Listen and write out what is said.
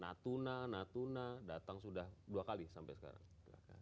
natuna natuna datang sudah dua kali sampai sekarang